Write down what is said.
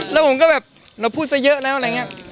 แล้วผมก็แบบเราพูดซะเยอะแล้วอะไรอย่างนี้